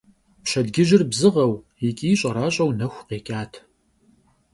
Pşedcıjır bzığeu yiç'i ş'eraş'eu nexu khêç'at.